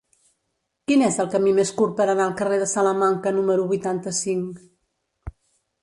Quin és el camí més curt per anar al carrer de Salamanca número vuitanta-cinc?